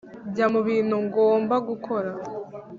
njya mubintu ngomba gukora,